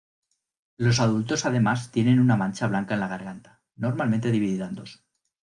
Los adultos además tienen una mancha blanca en la garganta, normalmente dividida en dos.